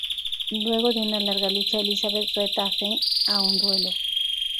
Luego de una larga lucha, Elizabeth reta a Feng a un duelo.